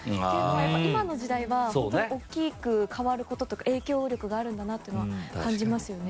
今の時代は大きく変わること影響力があるんだなと感じますね。